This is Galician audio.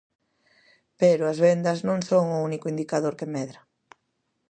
Pero as vendas non son o único indicador que medra.